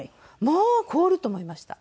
もう凍ると思いました。